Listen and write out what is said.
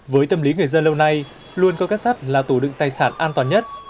với tâm lý người dân lâu nay luôn coi kết sát là tù đựng tài sản an toàn nhất